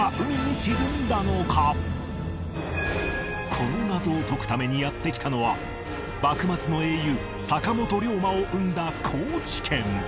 この謎を解くためにやって来たのは幕末の英雄坂本龍馬を生んだ高知県